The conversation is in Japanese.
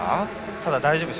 ただ、大丈夫です。